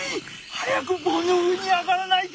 早く棒の上に上がらないと！